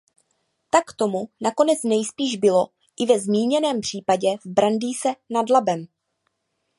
Tak tomu nakonec nejspíš bylo i ve zmíněném případě v Brandýse nad Labem.